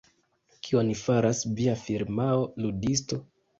Kion faras via firmao, Ludisto?